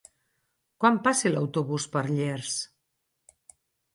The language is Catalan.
Quan passa l'autobús per Llers?